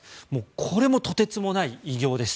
これもとてつもない偉業です。